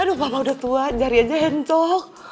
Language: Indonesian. aduh papa udah tua jari aja encoq